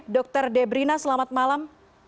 dr debrina selamat malam